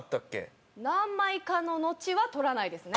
何枚かののちは撮らないですね。